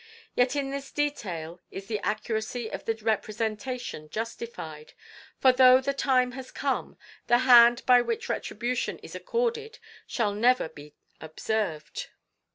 Yet in this detail is the accuracy of the representation justified, for though the time has come, the hand by which retribution is accorded shall never be observed."